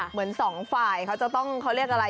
เหมือนสองฝ่ายเขาจะต้องเขาเรียกอะไร